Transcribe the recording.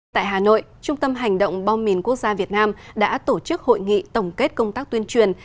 tại hà nội trung tâm hành động bom mìn quốc gia việt nam đã tổ chức hội nghị tổng kết công tác tuyên truyền